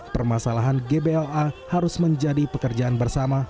permasalahan gbla harus menjadi pekerjaan bersama